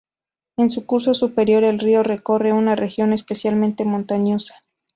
En su curso superior el río recorre una región especialmente montañosa.